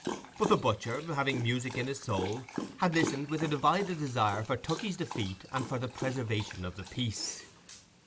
But the butcher, having music in his soul, had listened with a divided desire for Tookey's defeat and for the preservation of the peace.